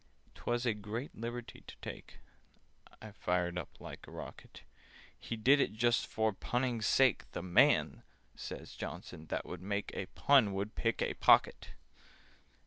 "'Twas a great liberty to take!" (I fired up like a rocket). "He did it just for punning's sake: 'The man,' says Johnson, 'that would make A pun, would pick a pocket!